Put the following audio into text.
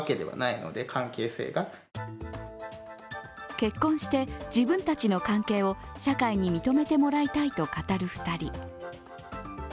結婚して自分たちの関係を社会に認めてもらいたいと語る２人。